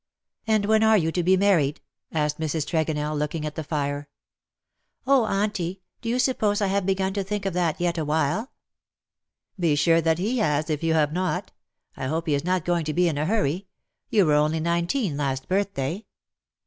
'' And when are you to be married ?'' asked Mrs. Tregonell, looking at the fire. " Oh^ Auntie, do you suppose 1 have begun to think of that yet awhile V "Be sure that he has, if you have not 1 I hope he is not going to be in a hurry. You were only nineteen last birthday.